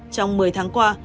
trong một mươi tháng qua